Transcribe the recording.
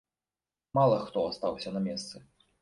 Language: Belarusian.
Мала хто астаўся на месцы.